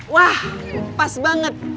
wah pas banget